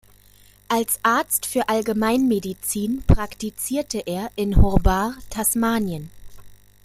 Als Arzt für Allgemeinmedizin praktizierte er in Hobart, Tasmanien.